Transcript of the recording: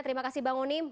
terima kasih bang onim